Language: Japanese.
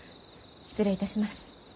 失礼いたします。